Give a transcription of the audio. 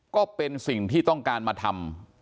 ก็เป็นสิ่งที่ต้องการมาทำ